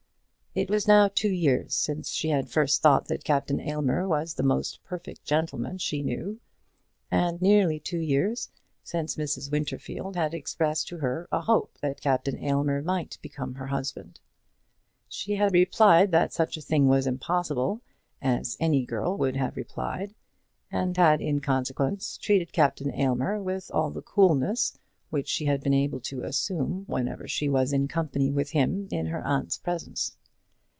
It was now two years since she had first thought that Captain Aylmer was the most perfect gentleman she knew, and nearly two years since Mrs. Winterfield had expressed to her a hope that Captain Aylmer might become her husband. She had replied that such a thing was impossible, as any girl would have replied; and had in consequence treated Captain Aylmer with all the coolness which she had been able to assume whenever she was in company with him in her aunt's presence.